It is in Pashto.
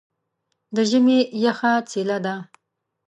د ژمي یخه څیله ده.